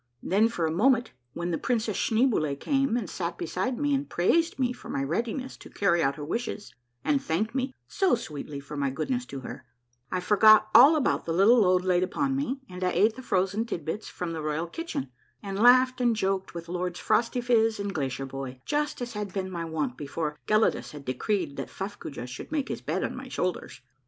Then, for a moment, when the Princess Schneeboule came and sat beside me and praised me for my readiness to carry out her wishes, and thanked me so sweetly for my goodness to her, I forgot all about the little load laid upon me, and I ate the fi ozen tidbits from the royal kitchen, and laughed and joked with Lords Phrostyphiz and Glacierbhoy, just as had been my wont before Gelidus had decreed that Fuffcoojah should make his bed on my shoulders.